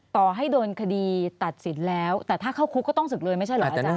ต่อให้โดนคดีตัดสินแล้วแต่ถ้าเข้าคุกก็ต้องศึกเลยไม่ใช่เหรออาจารย